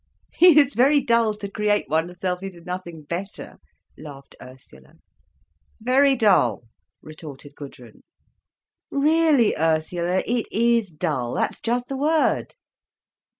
"It's very dull to create oneself into nothing better," laughed Ursula. "Very dull!" retorted Gudrun. "Really Ursula, it is dull, that's just the word.